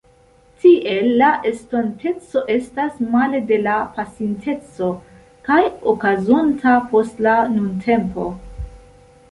Tiel, la estonteco estas male de la pasinteco, kaj okazonta post la nuntempo.